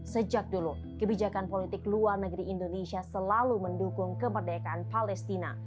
sejak dulu kebijakan politik luar negeri indonesia selalu mendukung kemerdekaan palestina